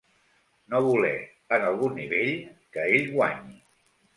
No voler, en algun nivell, que ell guanyi.